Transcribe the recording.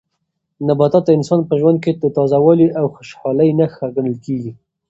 نباتات د انسان په ژوند کې د تازه والي او خوشالۍ نښه ګڼل کیږي.